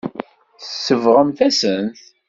Tsebɣemt-asen-t.